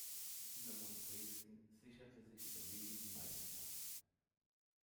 Dynamo Dresden sicherte sich überlegen die Meisterschaft.